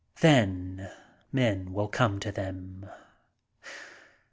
Then men will come to them.